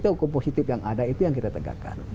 tapi hukum positif yang ada itu yang kita tegakkan